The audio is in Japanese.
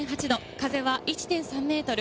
風は１．３メートル。